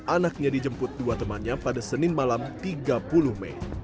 anaknya dijemput dua temannya pada senin malam tiga puluh mei